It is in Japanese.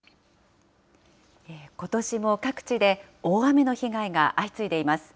ことしも各地で大雨の被害が相次いでいます。